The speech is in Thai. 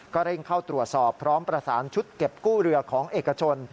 เร่งเข้าตรวจสอบพร้อมประสานชุดเก็บกู้เรือของเอกชน